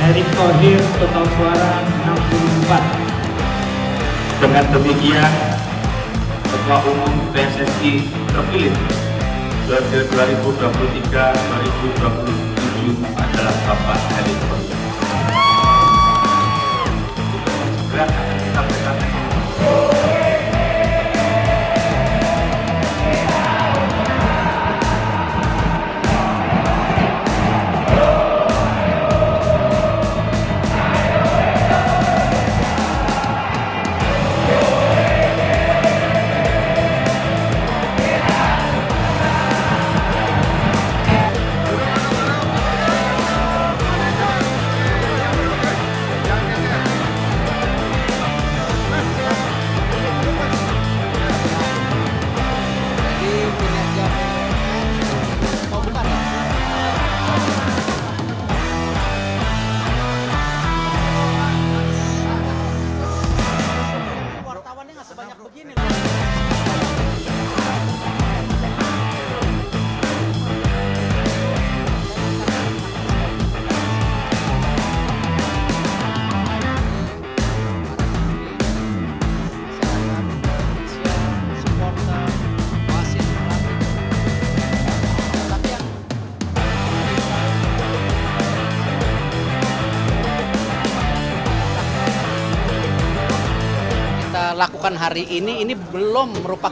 e k kodir total suara enam puluh empat